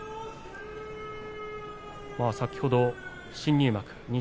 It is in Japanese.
先ほど新入幕錦